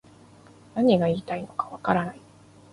何が言いたいのかわからない